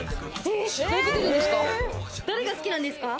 誰が好きなんですか？